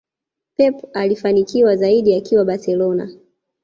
Pep alifanikiwa zaidi akiwa barcelona